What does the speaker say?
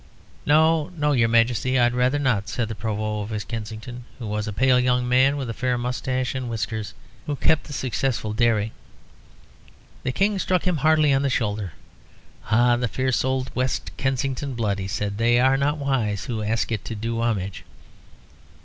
"No, your Majesty; I'd rather not," said the Provost of West Kensington, who was a pale young man with a fair moustache and whiskers, who kept a successful dairy. The King struck him heartily on the shoulder. "The fierce old West Kensington blood," he said; "they are not wise who ask it to do homage."